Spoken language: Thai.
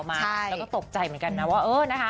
แล้วก็ตกใจเหมือนกันนะว่า